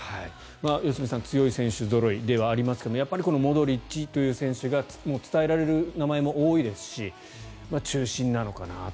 良純さん強い選手ぞろいではありますがモドリッチという選手が伝えられる名前も多いし中心なのかなと。